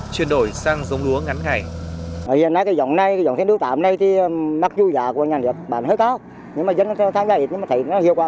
chuyển đổi sang giống lúa ngắn ngày